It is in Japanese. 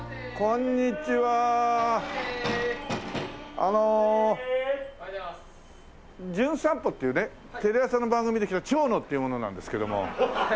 あの『じゅん散歩』っていうねテレ朝の番組で来た長野っていう者なんですけども。